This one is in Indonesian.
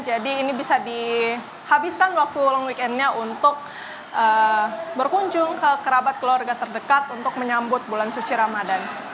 jadi ini bisa dihabiskan waktu long weekendnya untuk berkunjung ke kerabat keluarga terdekat untuk menyambut bulan suci ramadan